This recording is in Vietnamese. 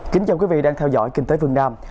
kính chào quý vị đang theo dõi kinh tế vương nam